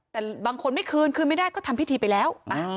แต่บางคนไม่คืนคืนไม่ได้ก็ทำพิธีไปแล้ว